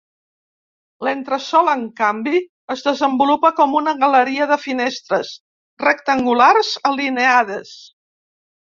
L'entresòl, en canvi, es desenvolupa com una galeria de finestres rectangulars alineades.